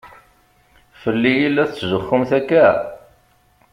Fell-i i la tetzuxxumt akka?